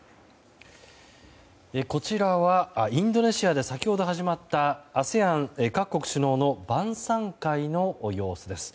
こちらはインドネシアで先ほど始まったＡＳＥＡＮ各国首脳の晩さん会の様子です。